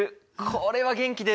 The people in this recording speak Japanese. これは元気出る！